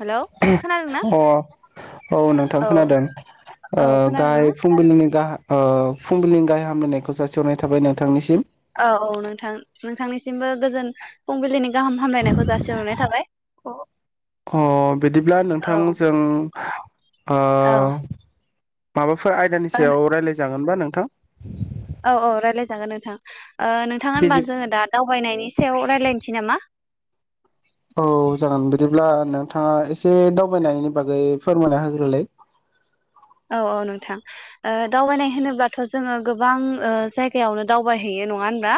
Hello खोनादोंना? अ औ नोंथां खोनादों औ ओ खोनादोंना? गाहाय फुंबिलिनि गाह। फुंबिलिनि गाहाम हामलायनायखौ जासिहरनाय थाबाय नोंथांनिसिम औ औ नोंथां नोंथांनिसिमबो गोजोन फुंबिलिनि गाहाम हामलायनायखौ जासिहरनाय थाबाय। अ बिदिब्ला औ नोंथां जों। ओ औ माबाफो फोर आयदानि सायाव राय्लाय जागोन नङा होनबा नोंथां? औ-औ रायज्लायजागोन नोंथां। नोंथां बिदि होनबा जोङो दा दावबायनायनि सायाव रायज्लायनोसै नामा? औ जागोन बिदिनो। ब्ला नोंथाङा एसे दावबायनायनि बागै फोरमायना होग्रोलाय। औ औ नोंथां दावबायनाय होनोब्लाथ' जोङो गोबां जायगायावनो दावबायहैयो नङा होनबा?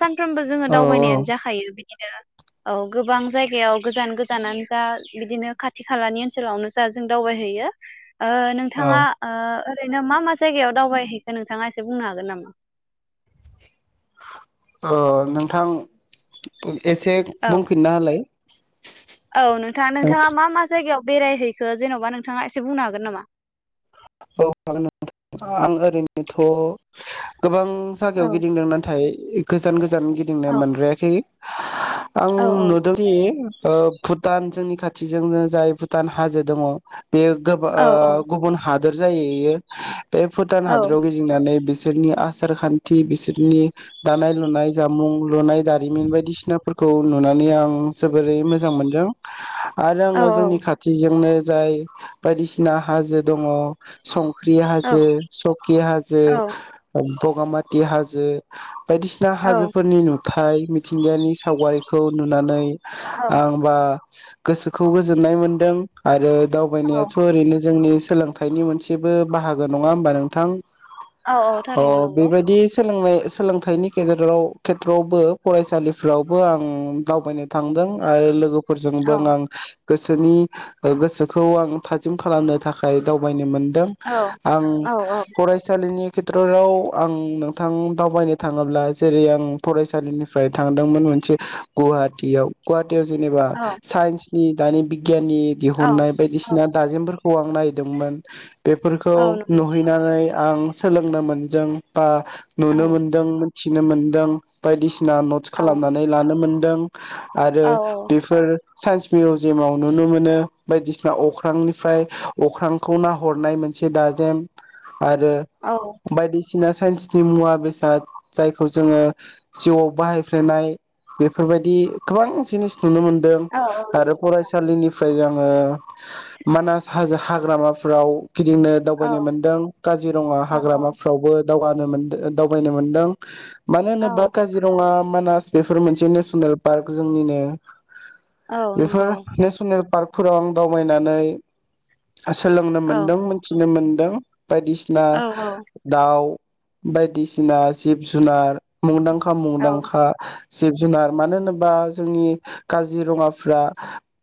सानफ्रोमबो जोङो औ दावबायनायानो जाखायो। औ गोबां जायगायाव गोजान-गोजानानो जा बिदिनो खाथि-खालानि ओनसोलावनो जा जों दावबायहैयो। औ बिथाङा ओ ओरैनो मा-मा जायगायाव दावबायहैखो नोंथाङा एसे बुंनो हागोन नामा? ओ नोंथां। एसे औ बुंफिनना होलाय । औ नोंथां नोंथाङा मा-मा जायगायाव बेरायहैखो जेनबा नोंथाङा एसे बुंनो हागोन नामा? औ हागोन नोंथां आं ओरैनोथ' गोबां जागायाव औ गिदिंदों नाथाय गोजान-गो गोजान गिदिंनो औ मोनद्रायाखै औ आं नुदोंदि भुटान जोंनि खाथिजोंनो जाय भुटान हाजो दङ। बेयो गोबां औ गुबुन हा दोर जायो बेयो बे भुटान औ हादराव गिदिंनानै बि बिसोरनि आसार खान्थि बिसोरनि दानाय लुनाय जामुं लुनाय दारिमिन बायदिसिनाफोरखौ नुनानै आं जोबोरै मोजां मोनदों । आरो औ आङो जोंनि खाथिजोंनो जाय बायदिसिना हाजो दङ सम फुख्रि औ हाजो, सकि हाजो बगामाथि हाजो बायदिसिना हाजोफोरनि नुथाय मिथिंगायानि सावगारिखौ नुनानै औ आंबा गोसोखौ गोजोननाय मोनदों आरो औ दावबायनायाथ ओरैनो जोंनि सोलों थायनि मोनसेबो बाहागो नङा होमबा नोंथां औ औ अ थारैनो नंगौ बेबायदि सोलोंनाय सोलोंथाइनि गेजेराव खेथ्रआवबो फरायसालिफ्रावबो आं दावबायनो थांदों आरो लोगो फोरजोंबो औ आं गोसोनि ओ गोसोखौ आं थाजिम खालामनो थाखाय दावबायनो मोन दों औ आं औ औ फरायसालिनि खेथ्रआव आं नोंथां दावबायनो थाङोब्ला जेरै आं फरायसालिनिफ्राय थांदोंमोन मोनसे गुवाहाटियाव गुवा जेनेबा औ साइनस नि दानि बि गियाननि दिहुननाय औ बायदिसिना दाजेमफोरखौ [unintelligible] दों मोन बेफोरखौ औ नंगौ नुहैनानै। आं सोलोंनो मोनदों बा औ नुनो मोनदों मिथिनो मोन्दों बायदिसिना ना नटस औ खालामनानै लानोमोन दों आरो औ बेफोर साइन्स मिउजियामाव नुनो मोनो बायदिसिना अख्रांनिफ्राय अख्रांखौ नाहरनाय मोनसे दाजेम आरो औ बायदिसिना बायदिसिना साइन्सनि मुवा बेसाद जायखौ जोङो जिउआव बाहायफ्लेनाय बेफोरबायदि गोबां जिनिस नुनो मोनदों औ औ आरो फरायसालिनि ओमफ्राय आङो मानास हाजो हाग्रामाफ्राव गिदिंनो औ दावबायनो मोनदों काजिरङा औ हाग्रामाफ्रावबो दावगानो मोनदो ओ दावबायनो मोनदों। मानो औ औ होनोबा काजिरङा मानास बेफोर मोनसे नेसनेल पार्क जोंनिनो औ नंगौ बेफोर नेसनेल पार्क फोराव आं दावबायनानै सोलोंनो औ मोन्दों मोनथिनो मोनदों बायदिसिना औ दाउ बायदिसिना जिब जुनार मुंदांखा औ खा-मुंदांखा जिब जुनार मानो होनोबा जोंनि काजिरङाफ्रा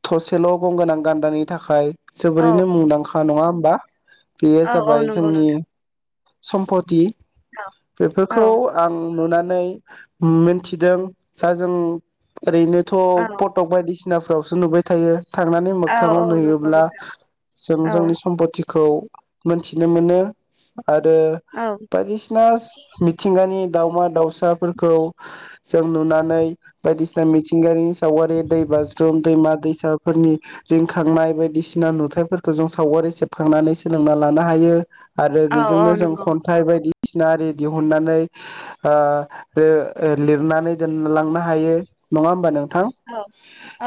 थसेल गं गोनां गान्दानि थाखाय औ जोबोरैनो मुंदांखा नङा हो मबा? बेयो औ औ जाबाय नंगौ जोंनि नोंथां सम्फथि औ बेफोरखौ आं नुनानै नै मिन्थिदों जा जों ओरैनोथ औ फटक बायदिसिना सिनाफ्रावसो नुबाय थायो । थांनानै औ औ मोगथाङाव नंगौ नुयोब्ला नोंथां जों औ जोंनि सम्फथि खौ मोनथिनो मोनो। आरो औ बायदिसिना मिथिंगानि दावमा-दावसा फिसाफोरखौ जों नुनानै बायदिसिना मिथिंगायारि सागारि दै बाज्रुम दैमा दैसाफोरनि रिंखांनाय बायदिसिना सिना नुथायफोरखौ जों सावगारि सेबखांनानै सोलोंना लानो हायो। आरो औ बेजोंनो औ जों नंगौ खन्थाइ बायदि सिना आरि दिहहुननानै ओ बे लिरनानै दोनलांनो हायो नङा होमबा नों थां? औ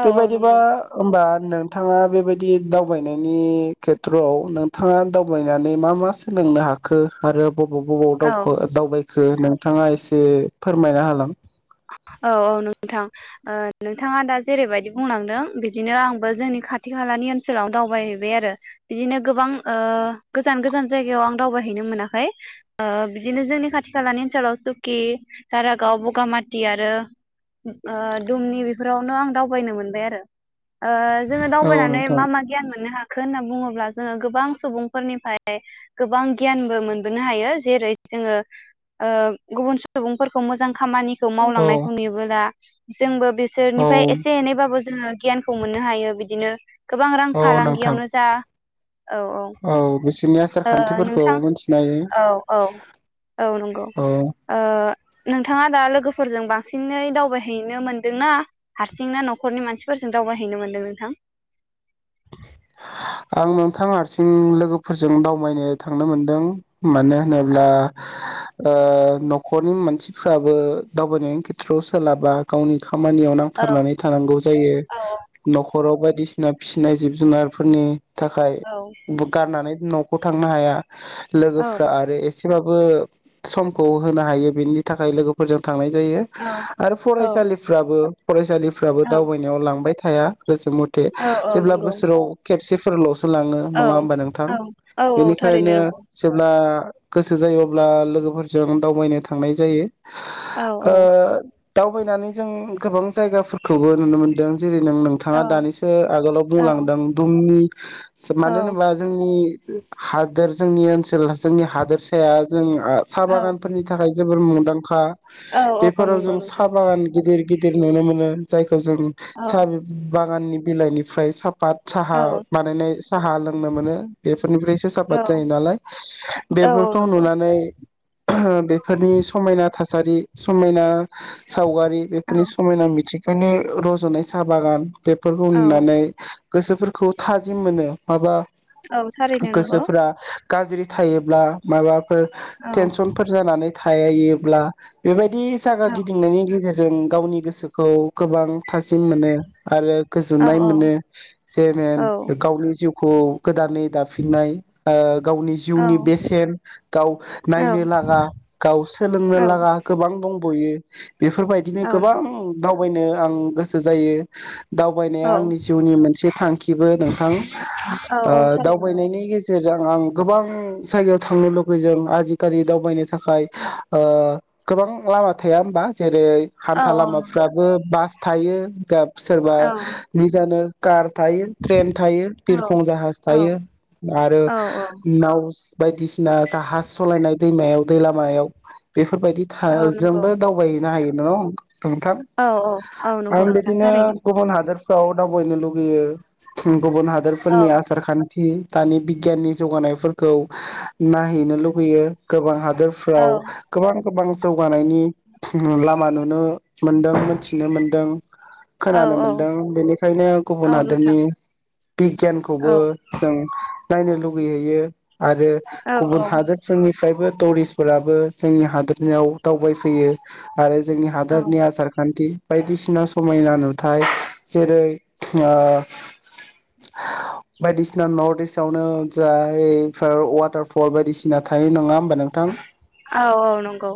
औ औ बेबायदिबा नंगौ होमबा नोंथाङा बेबायदि दाव दावबायनायनि खेथ्रआव नोंथाङा दावबायनानै मा-मा सोलोंनो हाखो? आरो बबाव बबाव औ दावखो दावबाय नोंथाङा एसे फोरमायना हालां औ नोंथां नोंथाङा दा जेरैबायदि बुंलांदों बिदिनो आंबो जोंनि खाथि खालानि ओनसोलाव दावबायहैबाय आरो बिदिनो गोबां ओ गोजान गोजान जायगायाव आं दावबायहैनो मोनाखै बिदिनो जोंनि खाथि खालानि ओनसोलाव सुकि दारागाव बगामा थि आरो ओ दुमनि बेफोरावनो आं दावबायनो मोनबाय आरो ओ जोङो औ दावबायनानै नोंथां मा मा गियान मोननो हा खो होनना बुङोब्ला जोङो गोबां सुबुंफोरनिफ्राय गोबां गियानबो मोनबोनो हायो जेरै जोङो ओ गुबुन सुबुंफोरखौ मोजां खामानि खौ औ मावलांनायखौ नुयोबोला जोंबो औ बिसोरनिफ्राय एसे एनैबाबो जोङो गियानखौ मोननो हायो बिदिनो गोबां रां औ नोंथां फालांगियावनो जा औ-औ औ बिसोरनि आसार ओ खान्थिफोरखौ नोंथां मिथिनो हायो औ-औ-औ नंगौ औ ओ नोंथाङा दा लोगोफोर फोरजों बांसिनै दावबायहैनो मोनदोंना हारसिंना नखरनि मानसिफोरजों दावबायहैनो मोनदों नोंथां आं नोंथां हारसिं लोगोफोरजों दावबायनो थांनो मोनदों मानो औ होनोब्ला ओ नखरनि मानसिफ्राबो दावबायनायनि खेथ्रआव सोलाबा गावनि खामानियाव औ नांथाबनानै थानांगौ जायो औ नखराव बायदिसिना फिसिनाय जिब जुनारफोरनि थाखाय औ बु गारनानै नखौ थांनो हाया औ लोगोफ्रा आरो ए सेबाबो समखौ होनो हायो बेनि थाखाय लोगोफोरजों थांनाय जायो औ आरो औ फरायसालिफ्राबो फरायसालिफ्राबो दावबायनायाव लांबाय थायो। थाया गोसो मथे औ औ ब्ला नंगौ बोसोराव खेबसे फोरलसो बो लाङो औ नङा होमबा नोंथां औ औ औ थारैनो बेनिखायनो नंगौ जेब्ला गोसो जायो अब्ला लोगोफोरजों दावबायनो थांनाय जायो औ औ ओ दावबायनानै जों गोबां जायगाफोरखौबो नुनो मोनदों जेरै नों औ नोंथाङा दानिसो आगोलाव बुंलांदों बुं उम मानो होनोबा जोंनि हादोर जोंनि ओनसोल जोंनि हादोरसाया जों ओ साहा औ बागानफोरनि थाखाय जोबोर मोन दांखा औ औ बेफोराव नंगौ जों नोंथां साहा बागान गिदिर गिदिर नुनो मोनो जाय खौ जों औ सा बागाननि बिलाइनिफ्राय बात औ साहा बानायनाय साहा लोंनो मोनो बेफोरनिफ्रायसो औ सापात जायो नालाय औ बेफोरखौ नंगौ नुनानै बेफोरनि समायना था सारि समायना सावगारि औ बेफोरनि समायना मिथिं जेने रजनाय साह बागान बेफोरखौ औ नुनानै गोसोफोरखौ थाजिम मोनो माबा औ थारैनो नंगौ गोसोफोरा गाज्रि थायोब्ला माबा फो औ थेनसनफोर जानानै थायायोब्ला बेबाय दि जागा औ गिदिंनायनि गेजेर जों गावनि गोसोखौ गोबां थासिम मोनो आरो औ गोजोननाय मोनो औ जेने गावनि जिउखौ गोदानै दाफिननाय ओ गावनि औ जिउनि बेसेन गाव नायनो लागा गाव सोलोंनो लागा गोबां बंबयो बेफोरबायदिनो गोबां नंगौ दाव थाबायनो आं गोसो जायो दावबायनाया औ आंनि बि मोनसे थांखिबो नोंथां औ ओ औ थारैनो नंगौ दावबायनायनि गेजेर जेरै आं आं गोबां जायगायाव थांनो लुबैयो जों आजिखालि दावबायनो थाखाय ओ गोबां लामा थाया होमबा जेरै जेरै औ हान्था औ नंगौ लामाफ्राबो बास थायो गाब सोरबा औ नो कार थायो ट्रेन थायो औ बिरखं जाहाज थायो आरो औ नाव बायदिसिना जाहाज सलायनाय दैमायाव दै लामायाव बे फोरबायदि था ओ नंगौ जोंबो दावबायहैनो हायो। नं थंथाब औ औ औ नंगौ आर नोंथां बिदिनो थारैनो गुबुन हादोर दाव दावबायनो लुगैयो। गुबुन औ हादोरफोरनि आसार खान न्थि दानि बिगियाननि जौगानायफोरखौ नायहैनो लुुबैयो गोबां हा औ दोरफ्राव गोबां गोबां जौगानायनि उम लामा नुनो मोनदों मोनथिनो मोनदों औ खोनानो औ मोनदों। बेनिखायनो औ गुबुन नोंथां हादोरनि औ बिगियानखौबो जों नायनो लुगैहैयो आरो औ गुबुन औ हादोरफोरनिफ्रायबो टुरिस्टफोराबो जोंनि हादोरनिाव दावबायफैयो आरो जोंनि औ हादोरनि आसार खान्थि बायदिसिना समायना नुथाय। जेरै ओ बायदिसिना नर्थ इस्टआवनो जायफोर वाटारफल बायदिसिना थायो नङा होमबा नोंथां? औ औ नंगौ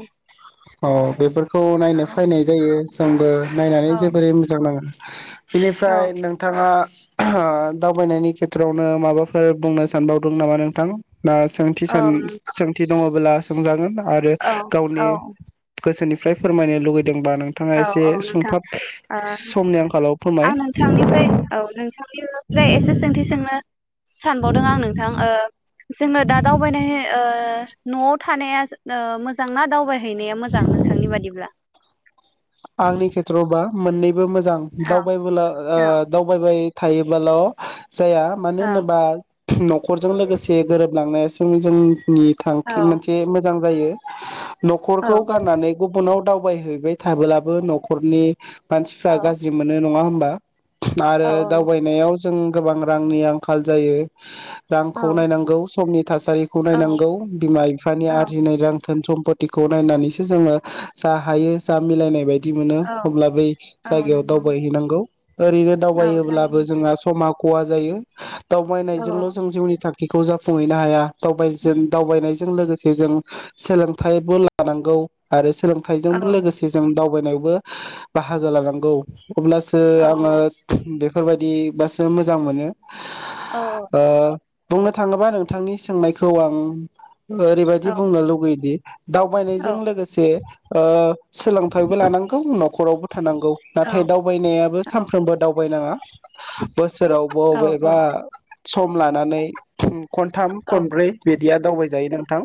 औ बेफोर खौ औ नायनो फैनाय जायो। जोंबो नायनानै औ जोबोरै मोजां नाङो। [inaudible] बेनिफ्राय नों नोंथाङा दावबायनायनि खेथ्रयावनो माबाफोर बुंनो सानबावदों नामा नोंथां? ना सोंथि सान सोंथि दङबोला सोंजागोन आरो औ गावनि गोसोनि फ्राय फोरमायनो लुगै दोंबा नोंथाङा औ एसे औ नोंथां सुंथाब ओ समनि आंखालाव फोरमाय आं नोंथांनिफ्राय औ नोंथांनिफ्राय एसे सोंथि सोंनो सानबावदों आं नोंथां ओ जोङो दा दावबायनाय ओ न'आव थानाया ओ मोजां ना दावबाय जाहैनाया मोजां नोंथांनि बादिब्ला आंनि खेथ्रआवबा मोननै बो मोजां औ दावबाय ओ औ दावबायबाय थायोबाल' जाया मानो औ होनोबा न' न'खरजों लोगोसे गोरोबलांनो जों जों नि औ थांखि मोनसे मोजां जायो। लांदां न'खरखौ गारनानै गुबुनाव दाव दावबायहैबाय थाबोलाबो न'खरनि मानसिफ्रा औ गाज्रि मोनो नङा होम बा औ आरो दावबायनायाव जों गोबां रांनि आंखाल जायो। औ रांखौ नायनांगौ समनि थासारिखौ नायनांगौ बिमा बिफानि आरजिनाय रां धोन सम्पितिखौ नायनानैसो जोङो जा हायो जा मिलायनाय बाय दि मोनो औ अब्ला बै औ जायगायाव नंगौ दावबायहैनांगौ ओरैनो औ थारैनो दावायोब्लाबो जोंहा समा खहा जायो। औ दावबायनायजोंल' जों जिउनि था बेखौ जाफुंहैनो हाया दावबायजों दावबायनायजों लोगोसे जों सोलोंथाइबो लानांगौ आरो औ औ सोलोंथाइजोंबो लोगोसे दावबायनायावबो बाहागो लानांगौ। अब्लासो आङो औ बे बेफोरबायदिबासो मोजां मोनो। औ ओ बुंनो थाङोबा नोंथांनि सोंनायखौ आं औ ओरैबायाददि बुंनो लुगैयोदि औ दावबायनायजों लोगोसे ओ सोलोंथाइबो लानांगौ हुं नखरावबो थानांगौ नाथाय दावबायनायाबो औ सानफ्रोमबो दावबायनाङा बोसोराव बबेबा सम लानानै खनथाम खनब्रै बेद दिया दावबायजायो नोंथां।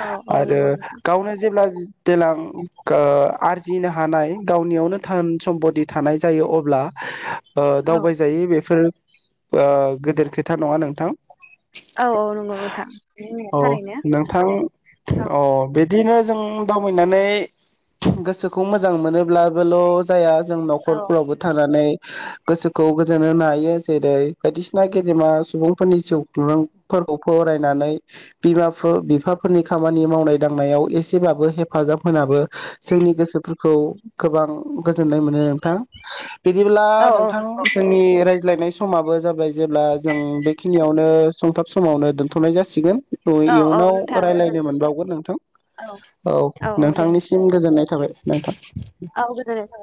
औ औ आरो नंगौ नोंथां गावनो जेब्ला जो देलां खो आरजिनो हानाय गावनियावनो धोन-सम्पति थानाय जायो अब्ला ओ औ दावबायजायो बेफोर आ गोदेर खोथा नङा नोंथां औ औ नंगौ नोथां नों होननाया औ थारैनो नोंथां औ। अ बिदिनो जों दावबायनानै गोसोखौ मोजां मोनोब्ला बोल जाया जों औ नखरफोरावबो थानानै गोसोखौ गोजोन होनो हायो, जेरै-बायदिसिना गेदेमा सुबुंफोरनि जिउांफोरखौ फरायनानै बिमाफोर बिफाफोरनि खामानि मावनाय दांनायाव एसेबाबो हेफाजाब होनाबो। जोंनि गोसोफोरखौ गोबां गोजोननाय मोनो नोंथां बिदिब्ला औ नोंथां जोंनि रायजो लायनाय समाबो जाबाय जेब्ला जों बेखिनियावनो सुंथाब समावनो दोन्थनाय जासिगोन औ इयुनाव रायलायनो मोनबावगोन नोंथां औ औ नोंथांनिसिम गोजोननाय थाबाय नोंथां नोंथां औ गोजोननाय थाबाय